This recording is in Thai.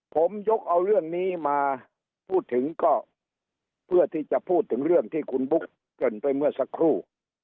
ผมยกเอาเรื่องนี้มาพูดถึงก็เพื่อที่จะพูดถึงเรื่องที่คุณบุ๊กเกริ่นไปเมื่อสักครู่